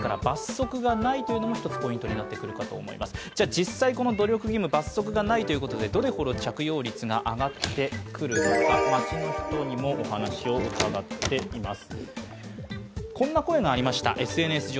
実際この努力義務、罰則がないということでどれほど着用率が上がってくるのか街の人にも伺っています。